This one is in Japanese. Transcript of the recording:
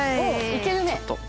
いけるね。